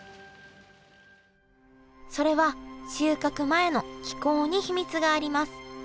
それは収穫前の気候に秘密があります。